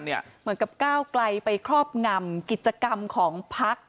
เหมือนกับก้าวไกลไปครอบงำกิจกรรมของพัก